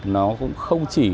nó cũng không chỉ